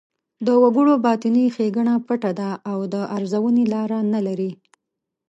د وګړو باطني ښېګڼه پټه ده او د ارزونې لاره نه لري.